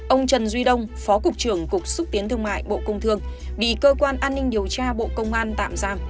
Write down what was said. ông trần duy đông phó cục trưởng cục xúc tiến thương mại bộ công thương bị cơ quan an ninh điều tra bộ công an tạm giam